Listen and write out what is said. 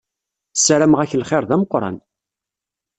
Ssarameɣ-ak lxir d ameqran!